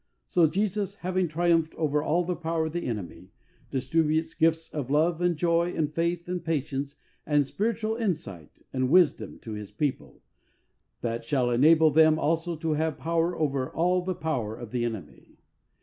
So Jesus, having triumphed over all the power of the enemy, distributes gifts of love and joy and faith and patience and spiritual insight and wisdom to His people, that shall enable them also to have power over all the power of the enemy.